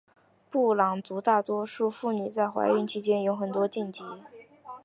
布朗族大多数妇女在怀孕期间有很多禁忌。